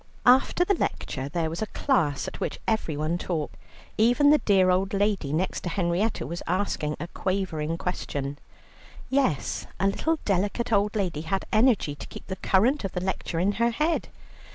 After the lecture there was a class at which everyone talked. Even the dear old lady next to Henrietta was asking a quavering question. Yes, a little delicate old lady had energy to keep the current of the lecture in her head.